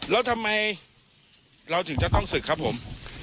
แล้วทำไมเราถึงจะต้องศึกครับผม